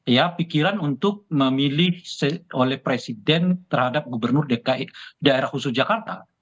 ya pikiran untuk memilih oleh presiden terhadap gubernur dki daerah khusus jakarta